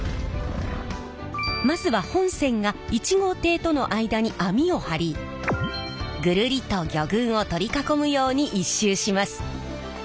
まずは本船が１号艇との間に網を張りぐるりと魚群を取り囲むように１周します。